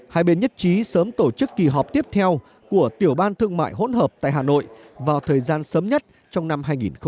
hai bên nhất trí sớm tổ chức kỳ họp tiếp theo của tiểu ban thương mại hỗn hợp tại hà nội vào thời gian sớm nhất trong năm hai nghìn hai mươi